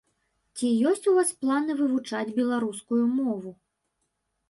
Ці ёсць у вас планы вывучаць беларускую мову?